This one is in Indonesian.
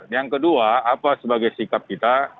yang kedua apa sebagai sikap kita